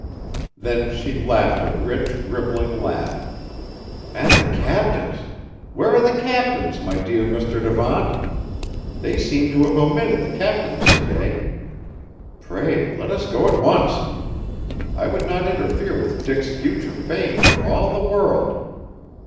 Then she laughed a rich, rippling laugh. "And the captains! where are the captains, my dear Mr. Devant? They seem to have omitted the captains to day. Pray let us go at once. I would not interfere with Dick's future fame for all the world!